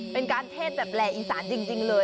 เป็นการเทศแบบแหล่อีสานจริงเลย